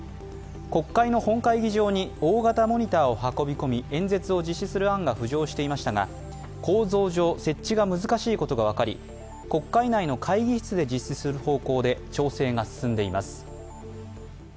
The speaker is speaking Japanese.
国会の本会議場に大型モニターを運び込み演説を実施する案が浮上していましたが、構造上、設置が難しいことが分かり国会内の会議室で実施する方向で調整が進んでいます。